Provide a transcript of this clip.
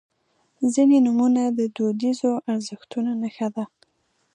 • ځینې نومونه د دودیزو ارزښتونو نښه ده.